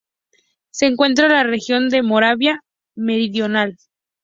Se encuentra en la Región de Moravia Meridional.